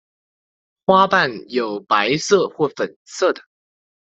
花瓣有白色或粉色的。